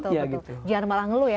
jangan malah ngeluh ya